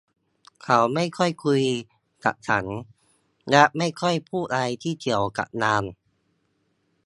เขาไม่ค่อยคุยกับฉันและไม่ค่อยพูดอะไรที่เกี่ยวกับงาน